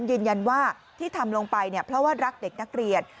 ยืนยันว่าที่ทำลงไปเนี่ยเพราะว่ารักเด็กนักเรียน